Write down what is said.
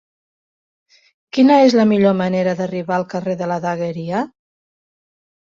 Quina és la millor manera d'arribar al carrer de la Dagueria?